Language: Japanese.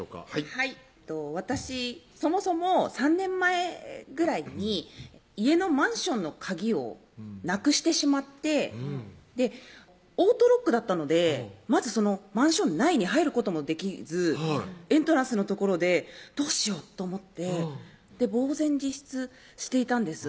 はい私そもそも３年前ぐらいに家のマンションの鍵をなくしてしまってオートロックだったのでまずマンション内に入ることもできずエントランスの所でどうしようと思って茫然自失していたんです